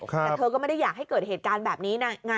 แต่เธอก็ไม่ได้อยากให้เกิดเหตุการณ์แบบนี้นะ